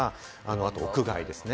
あと屋外ですね。